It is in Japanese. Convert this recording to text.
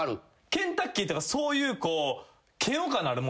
ケンタッキーっていうかそういう。